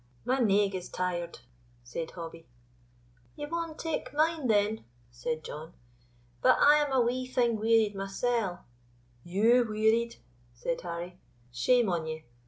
"My naig is tired," said Hobbie. "Ye may take mine, then," said John. "But I am a wee thing wearied mysell." "You wearied?" said Harry; "shame on ye!